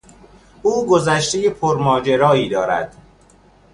او گذشتهی پرماجرایی دارد.